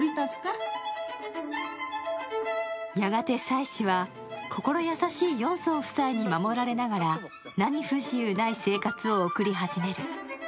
やがて妻子は心優しいヨンソン夫妻に守られながら何不自由ない生活を送り始める。